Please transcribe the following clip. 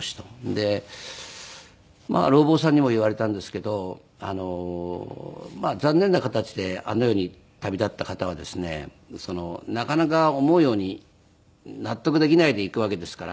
でまああるお坊さんにも言われたんですけど残念な形であの世に旅立った方はですねなかなか思うように納得できないで逝くわけですから。